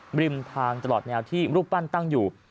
บริมทางตลอดแนวที่รูปปั้นตั้งอยู่